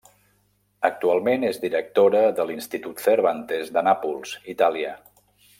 Actualment és directora de l'Institut Cervantes de Nàpols, Itàlia.